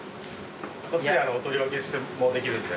こっちでお取り分けもできるんで。